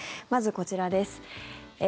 まず、こちらです。